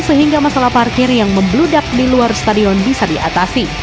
sehingga masalah parkir yang membludak di luar stadion bisa diatasi